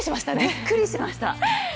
びっくりしました。